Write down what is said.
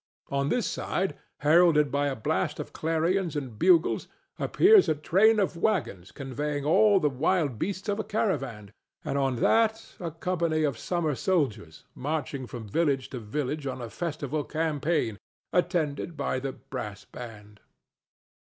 On this side, heralded by a blast of clarions and bugles, appears a train of wagons conveying all the wild beasts of a caravan; and on that a company of summer soldiers marching from village to village on a festival campaign, attended by the "brass band."